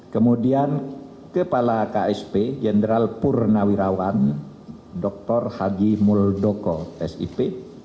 kemudian kepala ksp jenderal purnawirawan dr haji muldoko sip